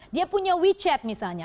dia punya wechat misalnya